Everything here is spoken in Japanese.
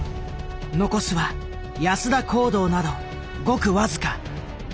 残すは安田講堂などごく僅か。